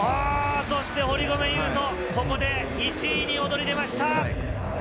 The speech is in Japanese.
そして堀米雄斗、ここで１位に躍り出ました。